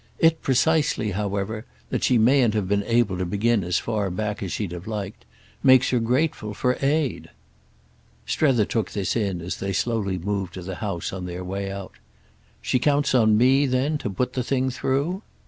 It precisely however—that she mayn't have been able to begin as far back as she'd have liked—makes her grateful for aid." Strether took this in as they slowly moved to the house on their way out. "She counts on me then to put the thing through?"